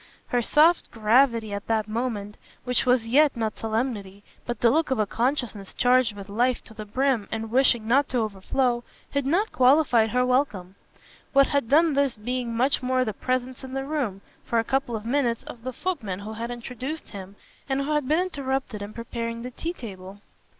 Her soft gravity at that moment which was yet not solemnity, but the look of a consciousness charged with life to the brim and wishing not to overflow had not qualified her welcome; what had done this being much more the presence in the room, for a couple of minutes, of the footman who had introduced him and who had been interrupted in preparing the tea table.